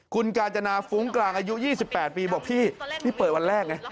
คุณกาญจนาฟุ้งกลางอายุ๒๘ปีบอกพี่พี่เปิดวันแรกไง